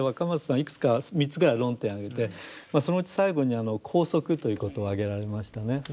いくつか３つぐらい論点挙げてそのうち最後に拘束ということを挙げられましたね。